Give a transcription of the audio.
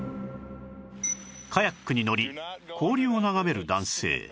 カヤックに乗り氷を眺める男性